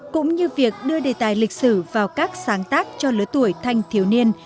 cũng như việc đưa đề tài lịch sử vào các sáng tác cho lứa tuổi thanh thiếu niên